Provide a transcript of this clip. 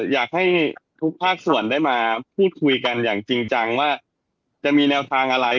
อยากให้ทุกภาคส่วนได้มาพูดคุยกันอย่างจริงจังว่าจะมีแนวทางอะไร